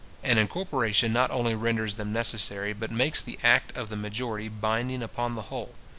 An incorporation not only renders them necessary, but makes the act of the majority binding upon the whole.